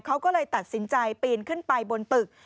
เขาก็เลยตัดสินใจปีนขึ้นไปบนตึก